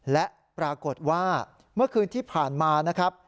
และปรากฏว่าเมื่อคืนที่ผ่านมานะครับ